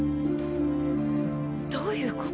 どういう事？